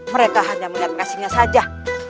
mereka hanya melihat kasihnya saja